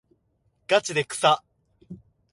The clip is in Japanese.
がちでさ